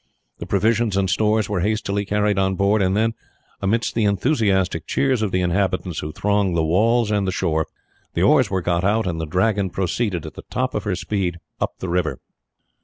The provisions and stores were hastily carried on board, and then, amidst the enthusiastic cheers of the inhabitants, who thronged the walls and shore, the oars were got out and the Dragon proceeded at the top of her speed up the river.